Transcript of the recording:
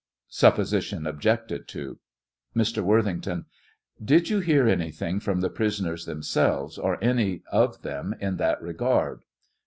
[Supposition objected to.] Mr. Worthington : Q. Did you hear anything from the prisoners them selves, or any of them, in that regard